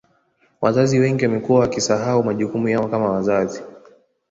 Wazazi wengi wamekuwa wakisahau majukumu yao kama wazazi